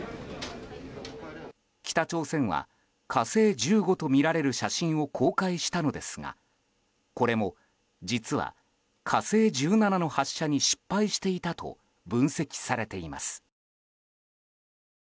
北朝鮮は、「火星１５」とみられる写真を公開したのですがこれも実は「火星１７」の発射に失敗していたと分析されています。